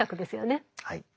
はい。